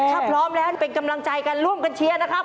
ถ้าพร้อมแล้วเป็นกำลังใจกันร่วมกันเชียร์นะครับ